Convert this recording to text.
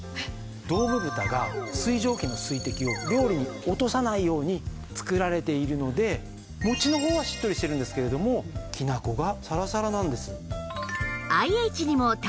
ドームぶたが水蒸気の水滴を料理に落とさないように作られているので餅の方はしっとりしてるんですけれどもきな粉がサラサラなんです。